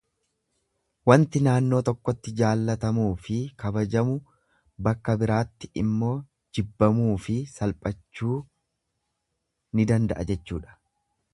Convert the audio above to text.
Wanti naannoo tokkotti jaallatamuufi kabajamu bakka biraatti immoo jibbamuufi salphachuu ni danda'a jechuudha.